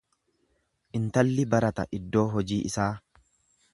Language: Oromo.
Intalli barata iddoo hojii isaa.